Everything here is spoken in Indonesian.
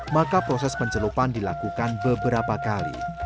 maka proses pencelupan dilakukan beberapa kali